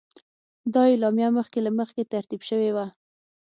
دا اعلامیه مخکې له مخکې ترتیب شوې وه.